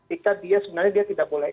jika dia sebenarnya dia tidak boleh